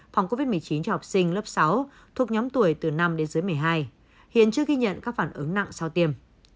phòng covid một mươi chín cho học sinh lớp sáu thuộc nhóm tuổi từ năm đến dưới một mươi hai hiện chưa ghi nhận các phản ứng nặng sau tiêm